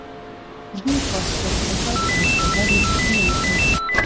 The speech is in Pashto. دوی پاسپورټ وکوت او یو څو لنډې پوښتنې یې وکړې.